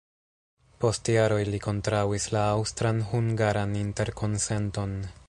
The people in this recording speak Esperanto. Post jaroj li kontraŭis la Aŭstran-hungaran interkonsenton.